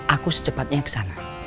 aku secepatnya kesana